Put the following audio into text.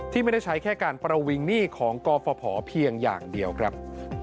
ไม่ได้ใช้แค่การประวิงหนี้ของกฟภเพียงอย่างเดียวครับ